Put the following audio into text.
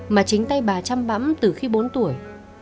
mà chính tay bà chăm bẫm từ khi bốn tuổi